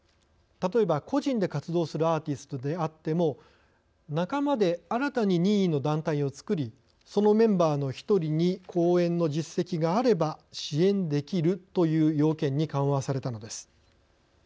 例えば個人で活動するアーティストであっても仲間で新たに任意の団体を作りそのメンバーの１人に公演の実績があれば支援できるという要件に緩和されたのです。